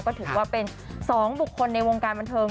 ก็ถือว่าเป็น๒บุคคลในวงการบันเทิง